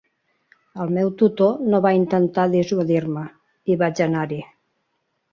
El meu tutor no va intentar dissuadir-me, i vaig anar-hi.